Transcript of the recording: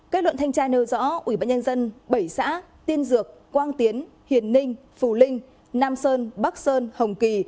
kết luận thanh tra nêu rõ ủy ban nhân dân bảy xã tiên dược quang tiến hiền ninh phù linh nam sơn bắc sơn hồng kỳ